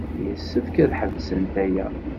Yessefk ad ḥebsent aya.